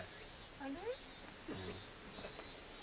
あれ？